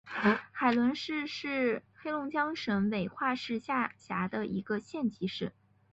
海伦市是黑龙江省绥化市下辖的一个县级市。